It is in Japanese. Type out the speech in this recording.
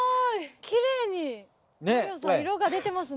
きれいに太陽さん色が出てますね。